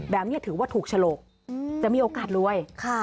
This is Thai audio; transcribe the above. แบบนี้ถือว่าถูกฉลกจะมีโอกาสรวย